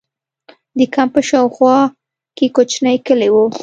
د کمپ په شا او خوا کې کوچنۍ کلي وو.